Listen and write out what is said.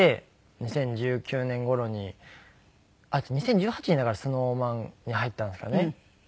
２０１８年にだからＳｎｏｗＭａｎに入ったんですかね。